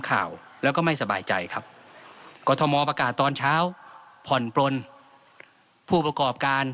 ข่าวแล้วก็ไม่สบายใจครับกรทมประกาศตอนเช้าผ่อนปลนผู้ประกอบการ